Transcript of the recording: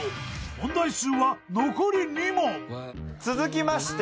［問題数は残り２問］続きまして。